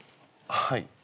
はい。